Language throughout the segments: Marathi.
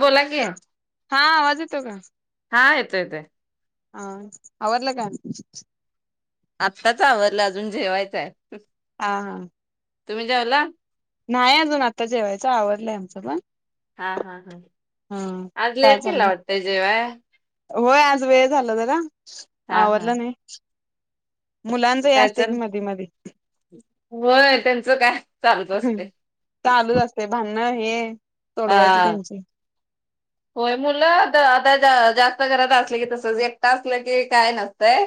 बोला की, हा आवाज येतो हा येतोय येतोय. ह आवरलं का? आत्ताच आवरलं अजून जेवायचंय हाय. हा हा. तुम्ही जेवला? नाही अजून आता जेवायचं आवरलंय आमचं पण. हा हा हा हा आज काय लेट केला चाललंय? वाटतय जेवाया? होय आज वेळ झाला जरा, हा आवरलं नाही. मुलांच हे असतय की त्याचन मधी मधी होय त्यांचं काय? चालूच असते चालूच असते भांडण हे सोडवायचं हा त्यांची. होय मुलं आता आता जास्त घरात असले की, तसं एकटं असलं की काय नसतंय.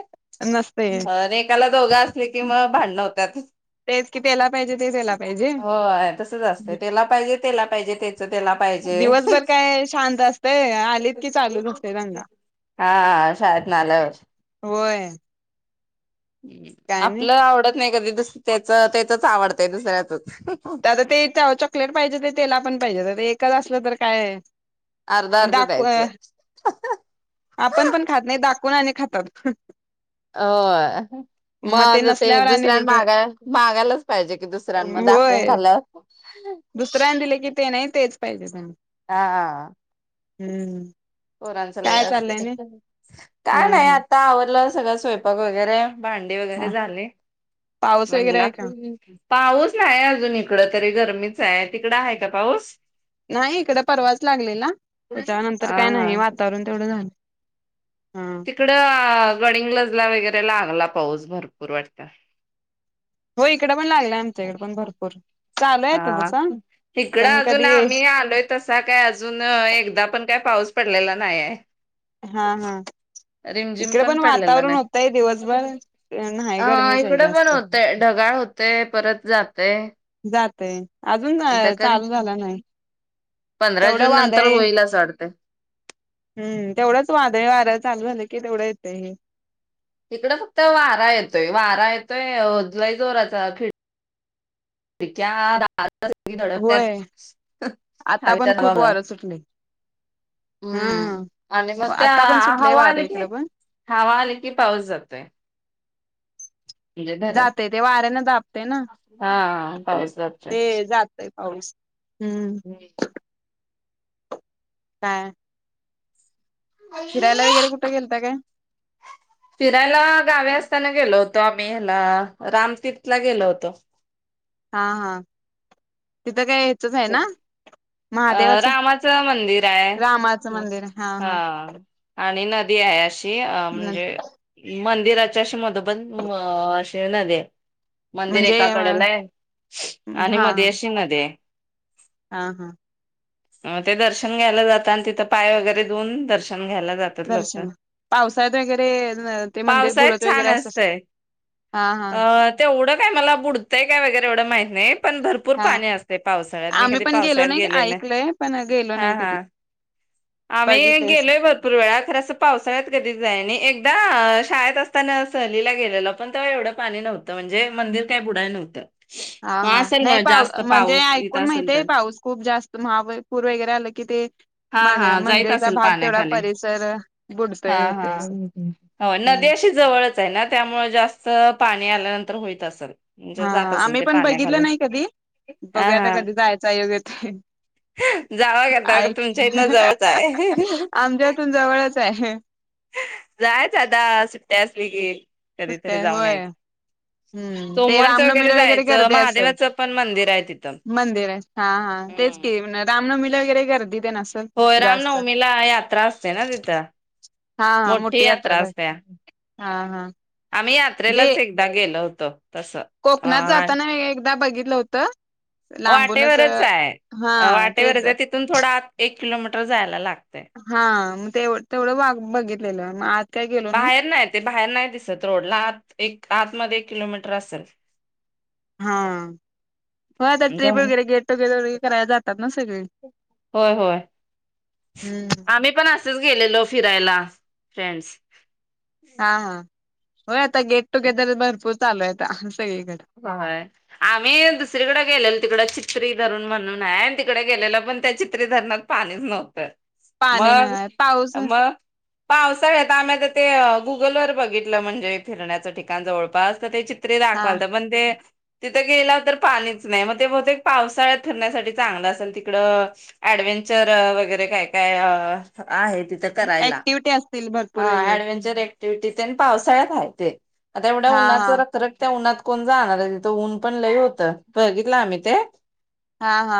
नसतय अ एकाला दोघं असले की मग भांडण व्हत्यात. तेच कि त्याला पाहिजे ते त्याला पाहिजे हो तसच असत तेला पाहिजे, तेला पाहिजे, त्याच तेला दिवसभर काय शांत असतय. आलीत की चालूच असतं दंगा. हा शाळेतनं आल्यावर व्हय. हम्म. आपलं आवडत नाही कधी दुस त्याच त्याचच आवडतंय दुसऱ्याचच. आता ते चॉकलेट पाहिजे ते तेला पण पाहिजे, एकच असलं तर काय. अर्ध अर्ध दाखव अ द्यायचं आपण पण खात नाही दाखवून आणि खातात. अ. अहं मग ते दुसऱ्यां मागाय मागायलाच पाहिजे की, दुसऱ्यां मग दाखवून खाल्ल्यावर. दुसऱ्यान दिले की ते नाही तेच पाहिजे त्याना हा. हम्म. पोरांच लय काय असतय. चाललंय नाही हा काय नाही हा आता आवरलं सगळं स्वयंपाक वगैरे. भांडे वगैरे हा झाले पाऊस वगैरे म्हणल. आहे का पाऊस नाही अजून इकडं तरी गरमीच हाय तिकडं आहे का पाऊस? नाही, इकडे परवाच लागलेला हा त्याच्या नंतर काय हा नाही वा तावरून तेवढं झालं. हा तिकड गड़िंगलजला वगैरे लागला पाऊस भरपूर वाटत. होय. इकड पण लागलाय आमच्या इकडे पण भरपूर. चालू आहे हा तसा तिकडं पण अजून कधी आम्ही आलोय. तसा काय अजून एकदा पण काय पाऊस पडलेला नाही आहे. हा हा. रिमझिम इकडे पण पडलेला वातावरण नाही. होतय दिवसभर नाही गरमीच आहे जास्त. ते ढगाळ होतय परत जातय. जातय. अजून आता चालू कधी झाल नाही पंधरा तेवढं जून नंतर वादळे होईल असं वाटतंय. हम्म, तेवढंच वादळी वार चालू झालं की तेवढं येतं हे. हिकड फक्त वारा येतोय. वारा येतोय लय जोराचा खिड क्या दार सगळी धडकत्यात. होय आता पण हवेच्या खूप वारं सुटलय. हम्म आणि मग त्या आता पण सुटलंय हवा वारं आली कि इकडं पण हवा आली कि पाऊस जातोय. म्हणजे धर जातय ते वाऱ्याने दाबतय ना हा पाऊस जातोय. ते, जात य पाऊस हम्म. हम्. काय? फिरायला वगैरे कुठे गेलता काय? फिरायला गावी असताना गेलो होतो. आम्ही ह्याला रामतीर्थला गेलो होतो. हा हा तिथं काय हेचच आहे ना. अ महादेवाचं रामाचं मंदिर आहे हा. आणि नदी आहे अशी अ म्हणजे मंदिराच्या अशी मधोमद अशी नदि आहे. मंदिर म्हणजे एका हा कडेला आहे आणि हा मध्ये अशी नदी आहे. हा हा ते दर्शन घ्यायला जात आणि तिथं पाय वगैरे धुवून दर्शन घ्यायला जात. दर्शन पावसाळ्यात वगैरे ते मंदिर पावसाळ्यात बुडत छान वगैरे असल. असतंय. हा हा अ तेवढं काय मला बुडतंय काय वगैरे एवढं माहित नाही पण भरपूर हा पाणी असते. पावसाळ्यात मी आम्ही कधी पण गेलो पावसाळ्यात गेलेल नाही ऐकलंय पण गेलो हा नाही कधी. हा आम्ही बघितलेस गेलोय. भरपूर वेळा खरं अस पावसाळ्यात कधीच जायाय नाही आणि एकदा शाळेत असताना सहलीला गेलेलो. पण तेव्हा एवढं पाणी नव्हतं म्हणजे मंदिर काही बुढाय नव्हतं. हा हा असेल नाही मग पाऊ जास्त म्हणजे पाऊस येत ऐकू ण असेल माहितीय तर पाऊस खूप जास्त महापूर वगैरे आलं की ते, हा म हा जायत मंदिरचा असेल भाग तेवढा पाण्याखाली परिसर हा बुडतोय हा होतोय असं हो नदि हम्म अशी जवळच आहे ना, त्यामुळे जास्त पाणी आल्यानंतर होईत असेल. म्हणजे हा जात असेल आम्ही ते पण पाण्याखाली बघितलं नाही कधी हा बघूया आता हा कधी जायचा योग येतोय. जावा घेता एक तुमच्या इथनं जवळच हा आहे आमच्या इथून जवळच आहे. जायच आता सुट्ट्या असली की कधीतरी कुठे जाऊन होय यायचं. हम्म ते सोमवारच वगैरे रामनवमीला जायचं. गर्दी असेल महादेवाचं पण मंदिर आहे तिथे. मंदिर आहे हा हा तेच क रामनवमीला वगैरे गर्दी ते नसते होय रामनवमीला यात्रा असते ना तिथं हा हा मोठी यात्रा भर असते हा हा आम्ही जे यात्रेलाच एक एकदा गेलं होत तस कोकणात जाताना एकदा बघितलं होतं लांबूनच वाटेवरच आहे हा तेच वाटेवरच आहे तिथून थोडा एक किलोमीटर जायला लागतंय हा मग ते तेवढं वाघ बघितलेलं आहे मग आ बाहेर नाही ते बाहेर नाही दिसत रोडला आत एक आतमध्येध्ये एक किलोमीटर असेल हा हो आता ट्रिप जाऊन वगैरे गेट टुगेदर वगैरे करायला जातात ना सगळे होय होय हम्म आम्ही पण असेच गेलेलो फिरायला फ्रेंडस हा हा हो आता गेट टुगेदर भरपूर चालू आहे सगळीकडे होय आम्ही दुसरीकडें गेलेलो तिकड चित्री धरण म्हणून आहे आणि तिकडे गेलेल पण त्या चित्री धरणात पाणीच नव्हतं पाणी मग नाही पाऊस मग पावसाळ आता आम्ही आता ते गुगलवरर बघितलं म्हणजे फिरण्याचं ठिकाण जवळपास तर ते चित पत हा राखवालत बंद तिथं गेला तर पाणीच नाही मग ते बहते पावसाळ्यात फिरण्यासाठी चांगलं असेल तिकडं ऍडव्हेंचर वगैरे काय काय आहे तिथ ऍक्टिव्हटी असतील भरपूर वगैरे करायलाडव्ंचर टटी आणि पावसाळ्यातय ते आता एवढ्या हा उन्हाच हा रखरख त्या उन्हात कोण जाणार आहे तिथं ऊन पण लय होतं बघितलं आम्ही ते हा हा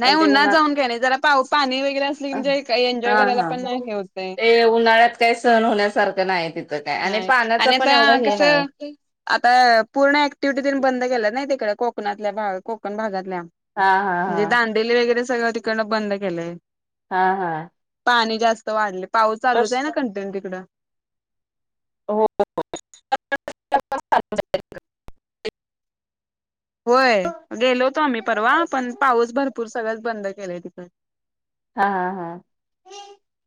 नाही पण ते उन्ह्हा उन्हात जाऊन घ्या नाही जरा पा पाणी वगैरे असले की म्हणजे हा एन्जॉय करायला हा पण हे होतंय ते उन्हाळ्यात काही सण होण्यासारखं नाही तिथं काय हा आणि पाण्याच आणि पण आता एवढं हे कसं नाही आता पूर्ण ऍक्टिव्हटी दे बंद केलं नाही तिकडे कोकणातल्या भा कोकण भागातल्या हा हा म्हणजे हा दांदली वगैरे सगळं तिकडनं बंद केलंय हा हा पाणी जास्त वाढले पाऊस चालूच आहे कस ना कंटेन तिकडं हो होय गेलो होतो आम्ही परवा पण पाऊस भरपूर सगळंच बंद केलंय तिकडे हा हा हा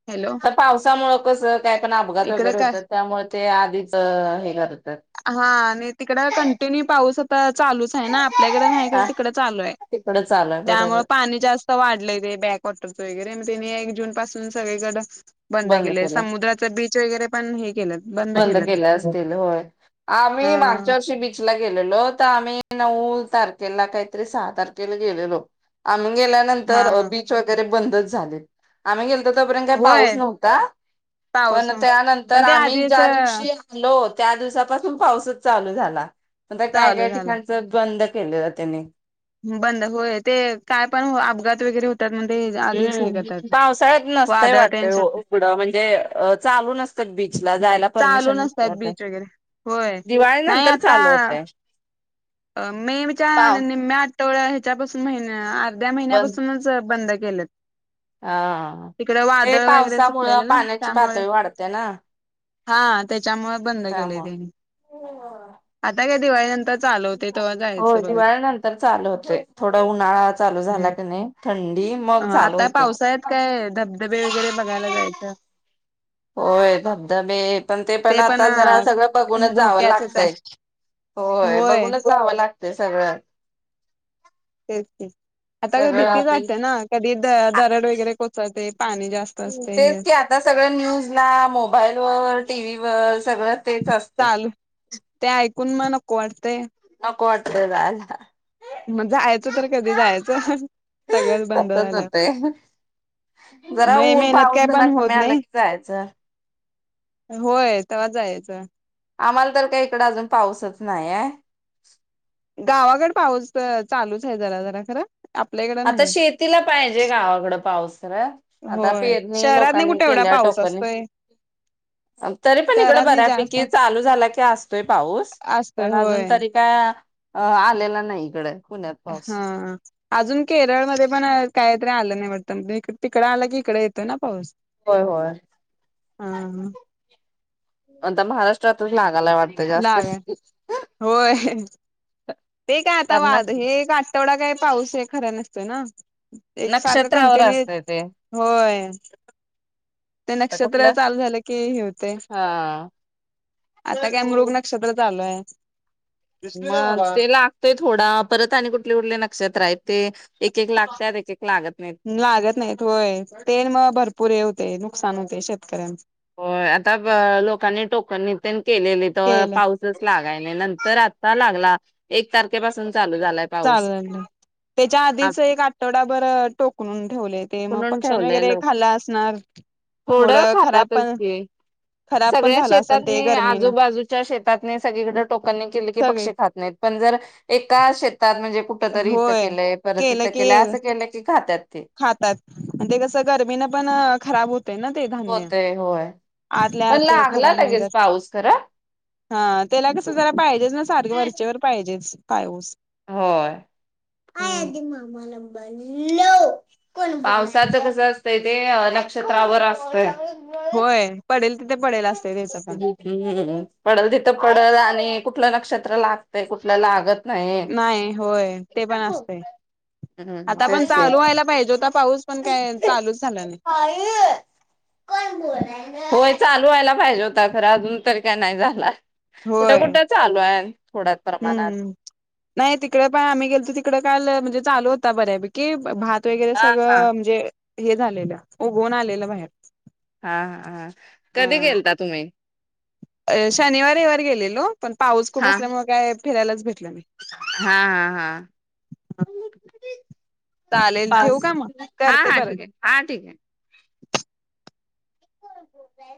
हॅलो तर पावसामुळ कसं काय पण अपघात इकडं वगैरे काय होतात त्यामुळे ते आधीच हे करतात हा आणि तिकड कंटिन्यू पाऊस आता चालूच आहे ना आपल्याकडे नाही ख हा तिकड चालू आहे तिकडं चालू आहे त्यामुळे बरोबर पाणी जास्त वाढलंय ते बॅक कॉटरचं वगैरेग त्यानी एक जून पासून सगळीकडं बंद केले समुद्राचं बीच वगैरे पण हे केलं बंद केल्या असतील होय हा आम्ही मागच्या वर्षी गेलेलो तर आम्ही नऊ तारखेला काहीतरी सहा तारखेला गेलेलो आम्ही हा गेल्यानंतर हा. बीच वगैरे बंदच झाले आम्ही गेलो तर तोपर्यंत काही पाऊच होय नव्हता पाऊस पण नव्हता त्यानंतर पण ते आम्ही आधीच ज्या दिवशी लो त्या दिवसापासून पाऊसच चालू झाला पण काय चालू काय झालं. ठिकाण बंद केलेलं त्यानी बंद होय ते काय पण अपघात वगैरे हो [inaudible] हम्म पावसाळ्यात नसतय तेन वाटतंय सुटत उघडं म्हणजे चालू नसत बीच ला जायला चालू परमिशन नसतात नसत बीच वगैरे होय. दिवाळी नाही नंतर आता चालू होते मेच्या निम्म्या आठवड्या ह्याच्यापासून महिन्या अर्ध्या बंद महिन्यापासूनच बंद केलं हा तिकडे ते वादळ वगैरे पावसामुळं सुकलेलं ना पाण्याची त्यामुळे पातळी वाढते ना हा त्याच्यामुळे बंद केले त्यामुळं त्यांनी आता का दिवाळी नंतर चालू हो ते त हो दिवाळीनंतर चालू होते थोडा उन्हाळा चालू झाला हम्म की नाही थंडी मग चालू होते त काय धबधबे वगैरे बघायला जायच होय धबधबे पण ते पण आता जरा सगळं बघूनच जावं धोक्याचच लागतंय आहे होय बघूनच जावं लागतय सगळ्यात तेच ते आता भीतीच वाटतेय ना कधी द दरड वगैरे कोचळते पाणी जास्त असते तेच हे की आता सगळं न्यूज ला मोबाईल व टी व्ही वर सगळं तेच असते चालू ते ऐकून मग नको वाटतय नक वात झा मग जायचं तर कधी जायचं सगळच बंद झालं ह जरा मग मेहनत पाऊस काय जरा पण होत कमी आला नाही की जायचं होय ते वा जा याचं आम्हाला तर का इकड अजून पाऊसच नाहीय गावाकड पाऊस चालूच आहे जरा जरा खरं आपल्याकड आता नाही शेतीला पाहिजे गावाकडं पाऊस खरं. आता होय पेरणी शहरात नाही लोकांनी कुठे एवढा केल्या पाऊस टोकनी. सस्त आहे तरी पण इकडं बऱ्यापैकी चालू झाला की असतोय पाऊस असतोय पण अजून होय तरी काय आलेला नाही इकडे पुण्यात पाऊस. हा अजून केरळमध्येध्ये पण काहीतरी आलं नाही म्हटत इ तिकडं आलं की इकडे येतो ना पाऊस होय होय हा आता महाराष्ट्रातून लागाला वाट लाग होय तेठी काय आता कारण माझ हे का तेवढा काही पाऊस आहे खरा नसतो ना एक सारखं नक्षत्रावर कंटिन्यू असतय ते होय. ते तर नक्षत्र कुठलं चालू झालं की हे होते. हा. आता काय मृग नक्षत्र चालूय. मग ते लागतोय थोडा परत आणि कुठले कुठले नक्षत्र आहेत. ते एक एक लागतत एक एक लागत नाही. लागत नाहीत होय ते मग भरपूर हे होते नुकसान होते शेतकऱ्यांच हो आता लोकांनी टोकण नितन केलेली तर केलं पाऊसच लागयला नंतर आता लागला एक तारखेपासून चालू झालाय. पाऊस चाले त्याच्या आधीच एक आठवडाभर टोकणून ठेवले. ते मग म्हणून पक्ष्यां ठेवलंय वगैरे लोक खाल्ला असणार. थोडं खराब खातात. पण खराब पण सगळ्या झालं असेल ते शेतातनी गरमीनं आजूबाजूच्या शेतातने सगळीकडे टोकनने केले की सगळे पक्षी खात नाहीत. पण जर एका शेतात म्हणजे खूप. कुठ तरी इथं होय केलंय परत केलं इथं की केलंय असं केलंय की खात्यात ते खातात म्हणजे कसं गर्मीनं पण खराब होत ना ते धान्य होतय होय आतल्या पण आत लागला खराब होऊन लगेच जात पाऊस खरा हा त्याला कसं जरा पाहिजेच ना सारखे वरचेवर पाहिजेच पाऊस. हो हम्म [unintelligible] कोण पावसाच कस असतय ते नक्षत्रावर असतय. होय पडेल तिथे पडेल असते त्याचं पण. हम्म पडल तिथं पडल आणि कुठलं नक्षत्र लागतंय कुठल्या लागत नाही नाही होय ते पण असते. हम्म आता पण तेच की चालू व्हायला पाहिजे होता पाऊस पण काय चालूच झाला नाही. होय चालू व्हायला पाहिजे होता खर अजून तरी काय नाही झाला. कुठे होय कुठ चालू आहे. थोड्याच प्रमाणात हम्म नाही तिकडे पण आम्ही गेलो तर तिकड काल म्हणजे चालू होता बऱ्यापैकी भात वगैरे हा हा सगळं म्हणजे हे झालेलं उघून आलेलं बाहेर. हा हा हा कधी गेलता तुम्ही? शनिवारीवर गेलेलो पण पाऊस खूप हा असल्यामुळे काय फिरायलाच भेटल नाही. हा हा हा चालेल ठेवू पाऊस का मग हा करते हा परत ठीक आहे हा ठीक आहे. [inaudible]